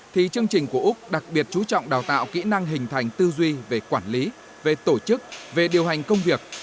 thì chương trình của úc đặc biệt chú trọng đào tạo kỹ năng hình thành tư duy về quản lý về tổ chức về điều hành công việc